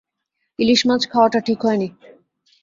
ইলিশ মাছ খাওয়াটা ঠিক হয় নি।